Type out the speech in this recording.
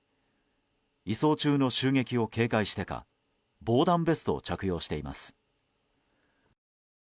移送中の襲撃を警戒してか防弾ベストを着用しています。